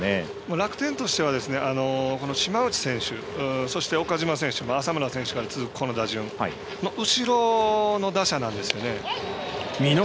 楽天としては島内選手、そして岡島選手浅村選手から続くこの打順後ろの打者なんですよね。